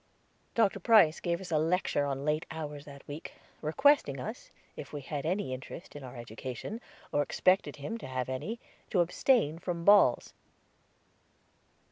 Dr. Price gave us a lecture on late hours that week, requesting us, if we had any interest in our education, or expected him to have any, to abstain from balls.